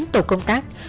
tổ công tác